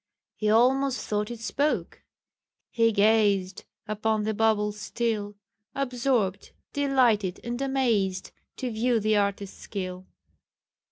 He almost thought it spoke: he gazed Upon the bauble still, Absorbed, delighted, and amazed, To view the artist's skill.